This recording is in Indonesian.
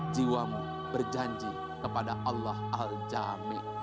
jiwamu berjanji kepada allah al jami